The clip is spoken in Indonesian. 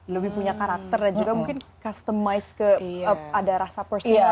lebih punya karakter dan juga mungkin customis ke ada rasa personalnya juga